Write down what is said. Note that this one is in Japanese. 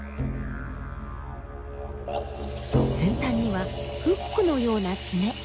先端にはフックのような爪。